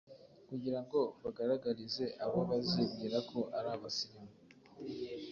kugira ngo bagaragarize abo bazibwira ko ari abasirimu